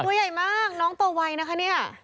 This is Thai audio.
ตัวใหญ่มากน้องโตไวนะคะเนี่ย